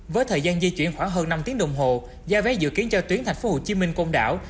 với thời gian di chuyển khoảng hơn năm tiếng đồng hồ gia vé dự kiến cho tuyến tp hcm công đảo